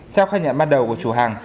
theo khai nhận ban đầu của chủ hàng